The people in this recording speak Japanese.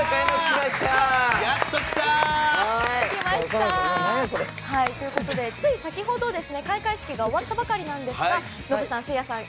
やっと来た！ということでつい先ほど開会式が終わったばかりなんですがノブさん、せいやさん